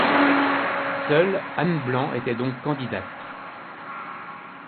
Seule Anne Blanc était donc candidate.